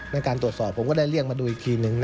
ในการตรวจสอบผมก็ได้เรียกมาดูอีกทีนึง